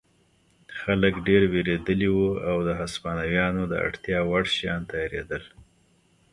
خلک ډېر وېرېدلي وو او د هسپانویانو د اړتیا وړ شیان تیارېدل.